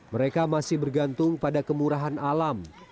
mereka masih bergantung pada kemurahan alam